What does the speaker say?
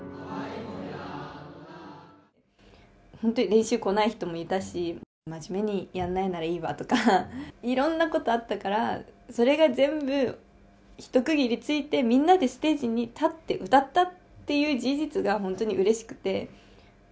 本当に練習に来ない人もいたし「真面目にやらないならいいわ」とかいろんなことあったからそれが全部一区切りついてみんなでステージに立って歌ったという事実が本当にうれしくて。